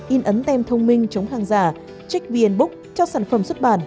in ấn tem thông minh chống hàng giả checkvn book cho sản phẩm xuất bản